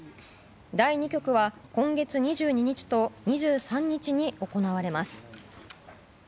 第２局は今月２２日と２３日に行われます。